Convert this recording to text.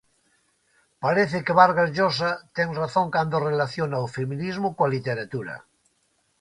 Parece que Vargas Llosa ten razón cando relaciona o feminismo coa literatura.